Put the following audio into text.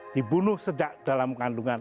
dibunuh sejak dalam kandungan